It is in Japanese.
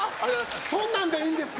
そんなんでいいんですか？